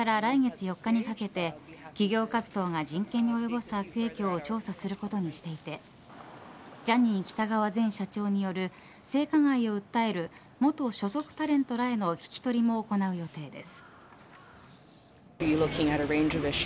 エオファントン氏は２４日から来月４日にかけて企業活動が人権に及ぼす悪影響を調査することにしていてジャニー喜多川前社長による性加害を訴える元所属タレントらへの聞き取りも行う予定です。